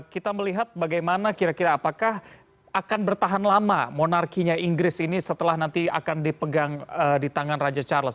kita melihat bagaimana kira kira apakah akan bertahan lama monarkinya inggris ini setelah nanti akan dipegang di tangan raja charles